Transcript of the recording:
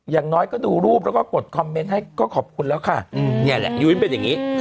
อย่างน้อยก็ดูรูปแล้วก็กดคอมเมนต์ให้ก็ขอบคุณแล้วค่ะนี่แหละยุ้ยมันเป็นอย่างนี้